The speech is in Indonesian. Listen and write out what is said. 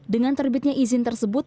dengan terbitnya izin tersebut